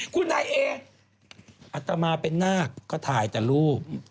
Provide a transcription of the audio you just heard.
คุณนายเออัตมาเป็นนาคก็ถ่ายแต่รูป